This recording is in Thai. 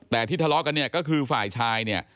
แต่ที่ทะเลาะกันก็คือฝ่ายชาย